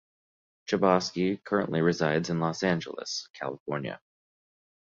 Chbosky currently resides in Los Angeles, California.